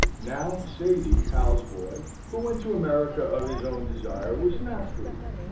Now, Sady, Hal's boy, who went to America of his own desire, was not free.